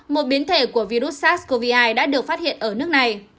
một biến thể của virus sars cov hai đã được phát hiện ở nước này